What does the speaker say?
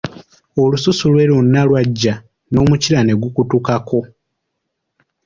Olususu Iwe lwona lwagya n'omukira ne gukutukako.